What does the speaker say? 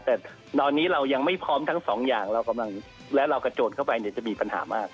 แต่ตอนนี้เรายังไม่พร้อมทั้งสองอย่างเรากำลังและเรากระโจนเข้าไปเนี่ยจะมีปัญหามาก